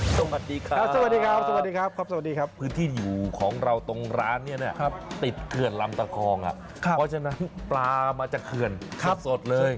สวัสดีครับพื้นที่อยู่ของเราตรงร้านนี้ติดเคือนรำตะคองเพราะฉะนั้นปลามาจากเคือนสดเลย